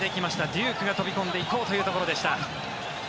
デュークが飛び込んでいこうというところでした。